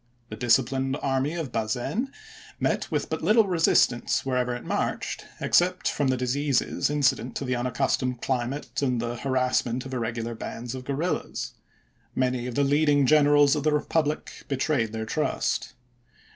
The disciplined army of Bazaine met with but little resistance wherever it marched except from the diseases incident to the unaccustomed climate and the harassment of irregular bands of guerrillas. Many of the leading generals of the republic be trayed their trust.